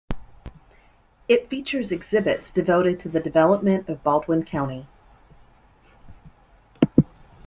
It features exhibits devoted to the development of Baldwin County.